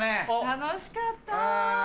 楽しかった。